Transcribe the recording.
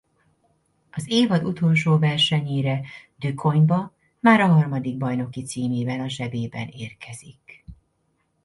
Az évad utolsó versenyére DuQuoin-ba már a harmadik bajnoki címével a zsebében érkezik.